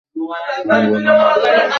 কুমু বললে, না দাদা, যাব না।